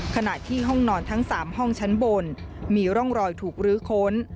ขณะที่ห้องนอนทั้ง๓ห้องชั้นบนมีร่องรอยถูกรื้อค้น